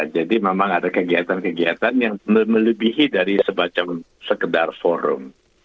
jadi memang ada kegiatan kegiatan yang melebihi dari sebacem sekedar forum